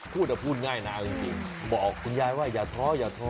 พูดแต่พูดง่ายน่ะเออจริงจริงบอกคุณยายว่าอย่าท้ออย่าท้อ